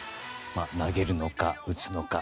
投げるのか、打つのか。